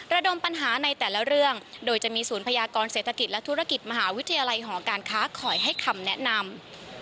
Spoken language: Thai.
ระดมปัญหาในแต่ละเรื่องโดยจะมีศูนย์พยากรเศรษฐกิจและธุรกิจมหาวิทยาลัยหอการค้าคอยให้คำแนะนำ